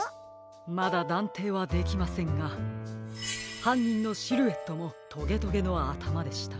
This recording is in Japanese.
まだだんていはできませんがはんにんのシルエットもトゲトゲのあたまでした。